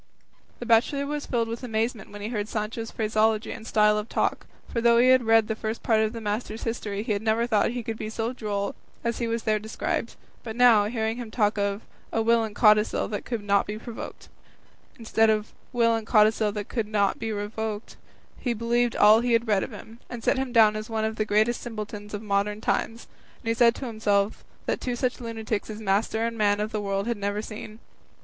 The bachelor was filled with amazement when he heard Sancho's phraseology and style of talk, for though he had read the first part of his master's history he never thought that he could be so droll as he was there described; but now, hearing him talk of a "will and codicil that could not be provoked," instead of "will and codicil that could not be revoked," he believed all he had read of him, and set him down as one of the greatest simpletons of modern times; and he said to himself that two such lunatics as master and man the world had never seen.